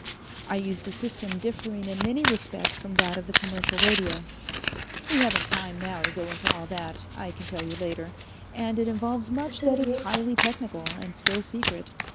"I used a system differing in many respects from that of the commercial radio. We haven't time now to go into all that I can tell you later, and it involves much that is highly technical and still secret.